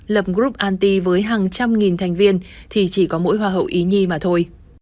lập group anty với hàng trăm nghìn thành viên thì chỉ có mỗi hoa hậu ý nhi mà thôi